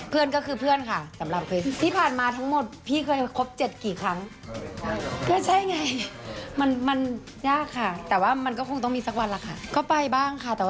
ไปฟังคริสเคลียร์ชัดค่ะ